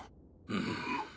うん。